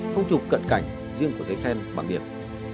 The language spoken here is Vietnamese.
không chụp cận cảnh riêng của giấy khen bằng điện